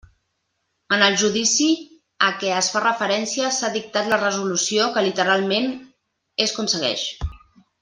En el judici a què es fa referència s''ha dictat la resolució que, literalment, és com segueix.